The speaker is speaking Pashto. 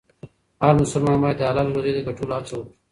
هر مسلمان باید د حلالې روزۍ د ګټلو هڅه وکړي.